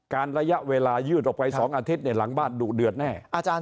การระยะเวลายืดออกไป๒อาทิตย์หลังบ้านดูเดือดแน่